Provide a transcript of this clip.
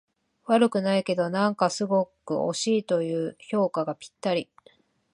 悪くないけど、なんかすごく惜しいという評価がぴったり